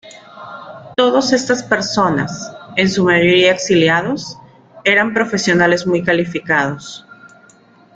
Todos estas personas, en su mayoría exiliados, eran profesionales muy calificados.